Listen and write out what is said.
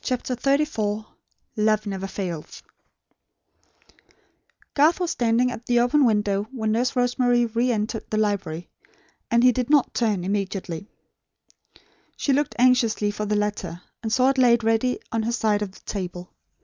CHAPTER XXXIV "LOVE NEVER FAILETH" Garth was standing at the open window, when Nurse Rosemary re entered the library; and he did not turn, immediately. She looked anxiously for the letter, and saw it laid ready on her side of the table.